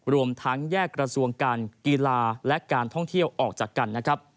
รวมทั้งแยกกระทรวงการกีฬาและการท่องเที่ยวออกจากกันนะครับ